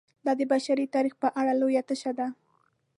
دا د بشري تاریخ په اړه لویه تشه ده.